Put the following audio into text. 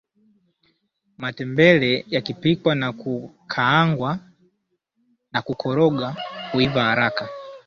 matembele yakipikwa na kukaangwa na kukoroga huiva haraka